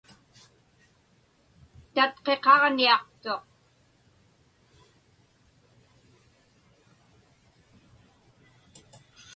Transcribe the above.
Tatqiqaġniaqtuq.